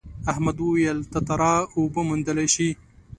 احمد وویل تتارا اوبه موندلی شي.